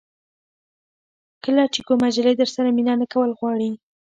کله چې کومه جلۍ درسره مینه نه کول غواړي.